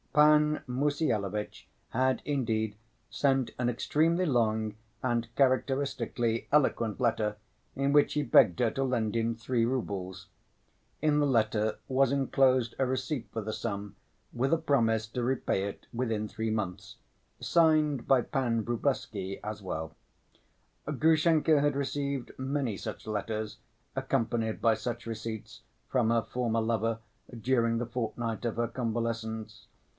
Pan Mussyalovitch had indeed sent an extremely long and characteristically eloquent letter in which he begged her to lend him three roubles. In the letter was enclosed a receipt for the sum, with a promise to repay it within three months, signed by Pan Vrublevsky as well. Grushenka had received many such letters, accompanied by such receipts, from her former lover during the fortnight of her convalescence.